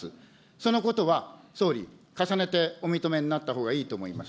そのことは総理、重ねてお認めになったほうがいいと思います。